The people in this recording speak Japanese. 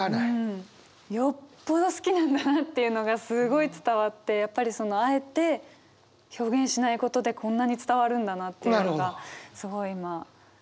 よっぽど好きなんだなっていうのがすごい伝わってやっぱりあえて表現しないことでこんなに伝わるんだなっていうのがすごい今びっくりですね。